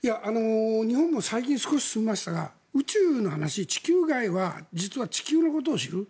日本も最近、少し進みましたが宇宙の話、地球外は実は地球のことを知る。